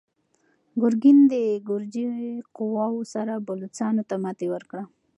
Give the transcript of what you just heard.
ګورګین د ګرجي قواوو سره بلوڅانو ته ماتې ورکړه.